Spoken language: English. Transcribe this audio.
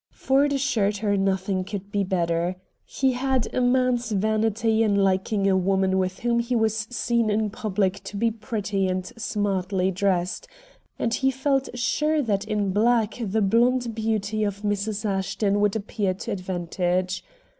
Ford assured her nothing could be better. He had a man's vanity in liking a woman with whom he was seen in public to be pretty and smartly dressed, and he felt sure that in black the blond beauty of Mrs. Ashton would appear to advantage.